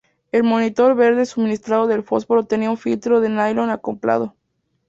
El monitor verde suministrado del fósforo tenía un filtro de nailon acoplado.